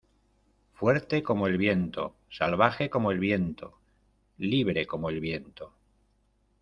Fuerte como el viento. Salvaje como el viento. Libre como el viento.